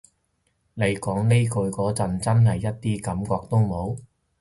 你講呢句嗰陣真係一啲感覺都冇？